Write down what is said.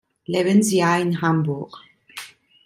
Lebensjahr in Hamburg.